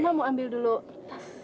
mama mau ambil dulu tas